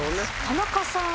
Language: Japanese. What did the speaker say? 田中さん